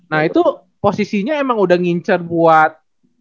nah itu posisinya emang udah ngincer buat